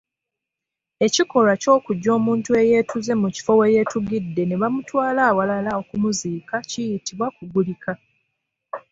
Ekikolwa ky’okujja omuntu eyeetuze mu kifo we yeetugidde ne bamutwala awalala okumuziika kiyitibwa Kugulika.